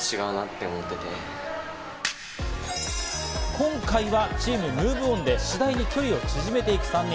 今回はチームＭｏｖｅＯｎで次第に距離を縮めていく３人。